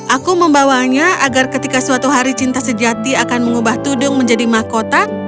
aku membawanya agar ketika suatu hari cinta sejati akan mengubah tudung menjadi mahkota